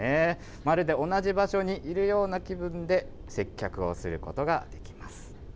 まるで同じ場所にいるような気分で、接客をすることができます。